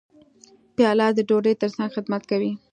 پیاله د ډوډۍ ترڅنګ خدمت کوي.